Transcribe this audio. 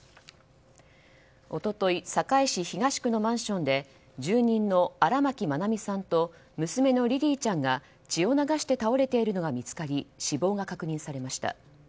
一昨日、堺市東区のマンションで住人の荒牧愛美さんと娘のリリィちゃんが血を流して倒れているのが見つかり死亡が確認されました。